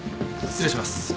失礼します。